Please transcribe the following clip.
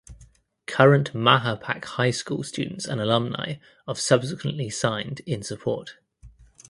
Current Mahopac High School students and alumni of subsequently signed in support.